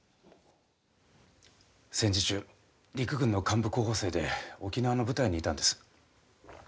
戦時中陸軍の幹部候補生で沖縄の部隊にいたんです。